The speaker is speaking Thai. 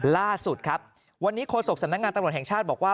ล่าสุดครับวันนี้โฆษกสำนักงานตำรวจแห่งชาติบอกว่า